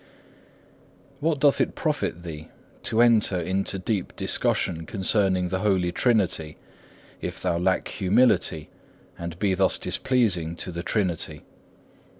3. What doth it profit thee to enter into deep discussion concerning the Holy Trinity, if thou lack humility, and be thus displeasing to the Trinity?